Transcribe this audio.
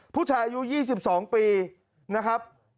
ผู้ชายอายุ๒๒ปีนะครับ